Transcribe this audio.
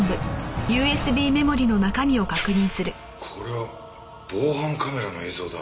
これは防犯カメラの映像だ。